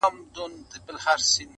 لا لرګي پر کوناټو پر اوږو خورمه.!